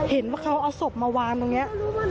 เห็นว่าเขาเอาศพมาวางตรงนี้